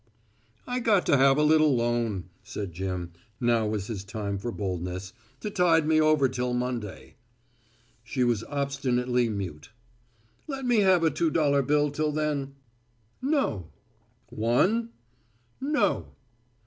"I got to have a little loan," said Jim now was his time for boldness "to tide me over till Monday." She was obstinately mute. "Let me have a two dollar bill till then?" "No." "One?" "No."